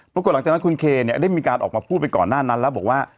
ปรากฏหลังจากนั้นคุณเคเนี่ยได้มีการออกมาพูดไปก่อนหน้านั้นแล้วบอกว่า